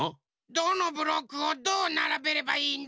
どのブロックをどうならべればいいんだ？